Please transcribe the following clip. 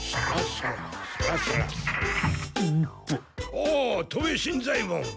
おお戸部新左ヱ門。